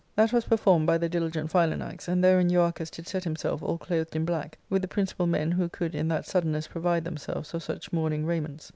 That was performed by the diligent Philanax ; and therein Euarchus did set himself all clothed in black, with the principal men who could in that suddenness provide themselves of such mourning raiments.